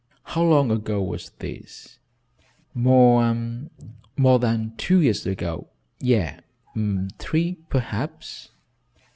"How long ago was this?" "More more than two years ago yes, three perhaps."